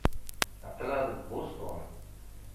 Aql-aɣ deg Boston.